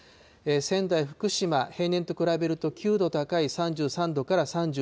仙台、福島、平年と比べると９度高い３３度から３６度。